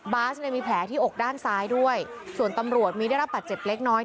สเนี่ยมีแผลที่อกด้านซ้ายด้วยส่วนตำรวจมีได้รับบาดเจ็บเล็กน้อย